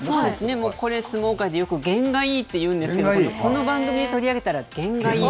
これ、相撲界でよく験がいいっていうんですけど、この番組で取り上げたら、験がいい。